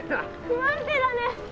不安定だね。